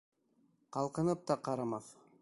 Ҡалҡынып та ҡарамаҫ.